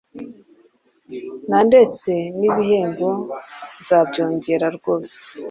Na ndetse n’ibihembo nzabyongera rwose!